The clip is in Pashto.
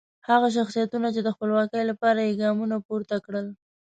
هغه شخصیتونه چې د خپلواکۍ لپاره یې ګامونه پورته کړل.